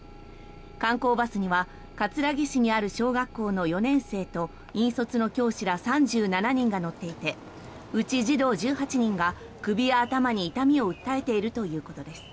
観光バスには葛城市にある小学校の４年生と引率の教師ら３７人が乗っていてうち児童１８人が首や頭に痛みを訴えているということです。